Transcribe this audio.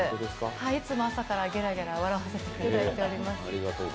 いつも朝からゲラゲラ笑わせてもらってます。